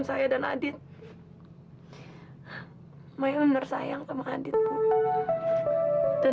sampai jumpa di video selanjutnya